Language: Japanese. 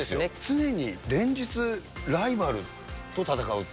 常に連日、ライバルと戦う。